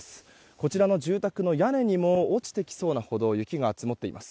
こちらの住宅の屋根にも落ちてきそうなほど雪が積もっています。